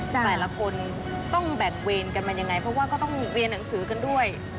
แต่ละคนต้องแบ่งเวรกันมันยังไงเพราะว่าก็ต้องเรียนหนังสือกันด้วย